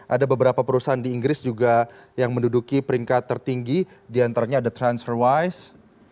ada beberapa perusahaan di inggris juga yang menduduki peringkat tertinggi diantaranya ada transferwise